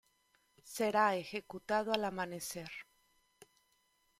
Será ejecutado al amanecer.